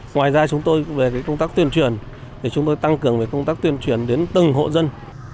ngoài ra chúng tôi cũng về công tác tuyển truyền để chúng tôi tăng cường về công tác tuyển truyền đến từng hộ dân